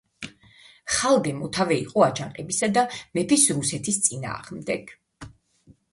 ხალდე მოთავე იყო აჯანყებისა მეფის რუსეთის წინააღმდეგ.